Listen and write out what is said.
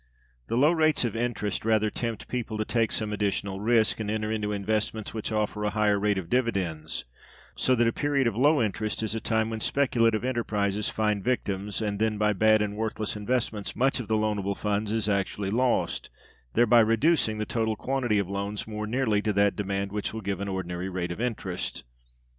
The low rates of interest, rather, tempt people to take some additional risk, and enter into investments which offer a higher rate of dividends; so that a period of low interest is a time when speculative enterprises find victims, and then by bad and worthless investments much of the loanable funds is actually lost; thereby reducing the total quantity of loans more nearly to that demand which will give an ordinary rate of interest.